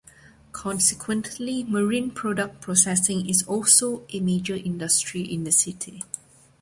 Consequently, marine product processing is also a major industry in the city.